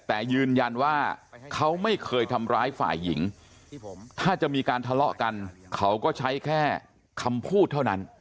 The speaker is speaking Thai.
แต่ยืนยันว่าเขาไม่เคยทำร้ายฝ่ายหญิงถ้าจะมีการทะเลาะกันเขาก็ใช้แค่คำพูดเท่านั้น